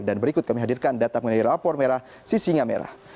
dan berikut kami hadirkan data mengenai rapor merah sisingnya merah